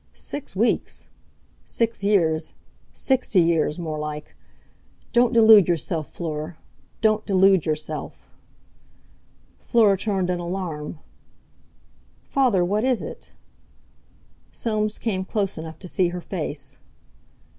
"Six weeks? Six years—sixty years more like. Don't delude yourself, Fleur; don't delude yourself!" Fleur turned in alarm. "Father, what is it?" Soames came close enough to see her face.